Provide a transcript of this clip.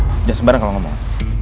udah sembarang kalau ngomong